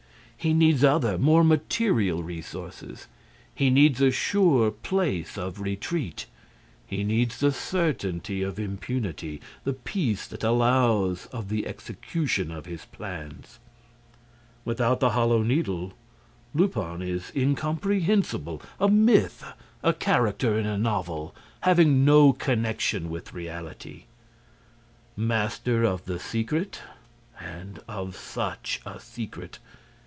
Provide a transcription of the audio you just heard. He needs other, more material resources. He needs a sure place of retreat, he needs the certainty of impunity, the peace that allows of the execution of his plans. Without the Hollow Needle, Lupin is incomprehensible, a myth, a character in a novel, having no connection with reality. Master of the secret—and of such a secret!